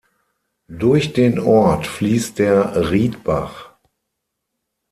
Durch den Ort fließt der Riedbach.